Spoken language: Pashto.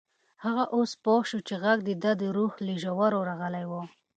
هغه اوس پوه شو چې غږ د ده د روح له ژورو راغلی و.